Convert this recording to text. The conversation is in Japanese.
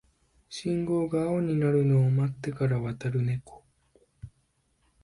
信号が青になるのを待ってから渡るネコ